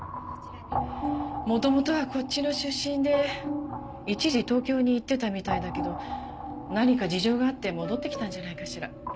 元々はこっちの出身で一時東京に行ってたみたいだけど何か事情があって戻ってきたんじゃないかしら。